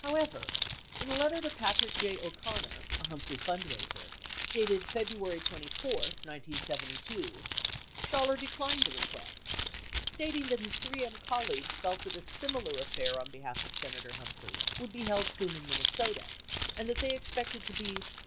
However, in a letter to Patrick J. O'Connor, a Humphrey fund raiser, dated February 24, 1972, 96 Schaller declined the request, stating that his 3 M colleagues felt that a similar affair on behalf of Senator Humphrey would be held soon in Minnesota and that they expected to be